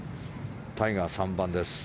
タイガー、３番です。